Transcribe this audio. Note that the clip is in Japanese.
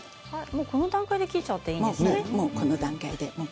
この段階で切っていいんですね。